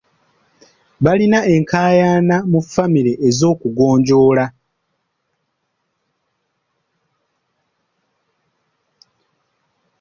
Balina enkaayana mu famire ez'okugonjoola.